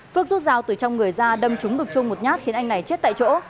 phước rút dao từ trong người ra đâm trúng đực trung một nhát khiến anh này chết tại chỗ